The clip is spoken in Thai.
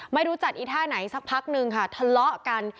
ไม่รู้จักอีท่าไหนสักพักนึงค่ะทะเลาะกัน